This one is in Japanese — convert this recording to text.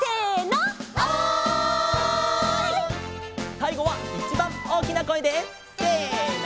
さいごはいちばんおおきなこえでせの！